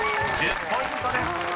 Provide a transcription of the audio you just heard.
１０ポイントです］